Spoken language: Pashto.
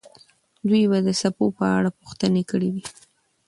دوی به د څپو په اړه پوښتنه کړې وي.